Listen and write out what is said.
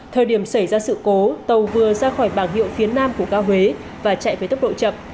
thời điểm xảy ra sự cố tàu vừa ra khỏi bảng hiệu phía nam của cao huế và chạy với tốc độ chậm